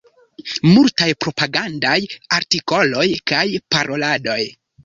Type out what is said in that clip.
Multaj propagandaj artikoloj kaj paroladoj.